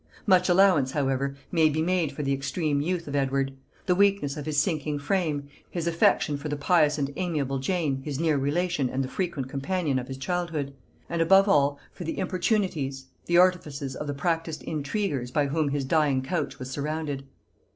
Much allowance, however, may be made for the extreme youth of Edward; the weakness of his sinking frame; his affection for the pious and amiable Jane, his near relation and the frequent companion of his childhood; and above all, for the importunities, the artifices, of the practised intriguers by whom his dying couch was surrounded.